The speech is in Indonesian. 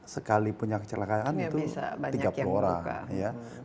sekali punya kecelakaan itu tiga puluh orang ya